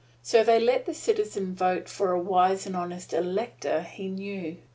So they let the citizen vote for a wise and honest elector he knew.